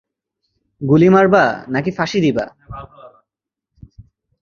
গুলি মারবা নাকি ফাসি দিবা?